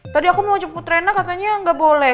tadi aku mau jemput rena katanya tidak boleh